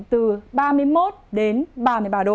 từ ba mươi một đến ba mươi ba độ